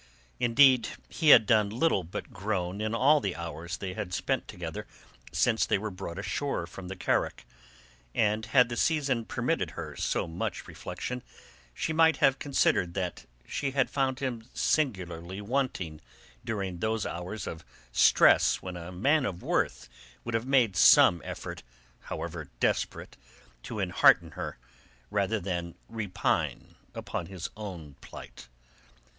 Indeed, he had done little but groan in all the hours they had spent together since they were brought ashore from the carack; and had the season permitted her so much reflection, she might have considered that she had found him singularly wanting during those hours of stress when a man of worth would have made some effort, however desperate, to enhearten her rather than repine upon his own plight.